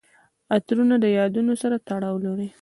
عطرونه د یادونو سره تړاو لري.